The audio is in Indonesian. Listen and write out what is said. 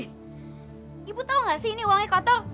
ih ibu tau gak sih ini uangnya kotor